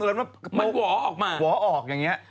แต่นี่ถึงเวลาขึ้นปุ๋ปนักก็ต้องพูดว่า